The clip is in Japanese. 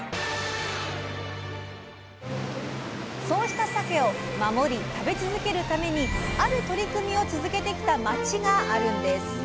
そうしたさけを守り食べ続けるためにある取り組みを続けてきた町があるんです。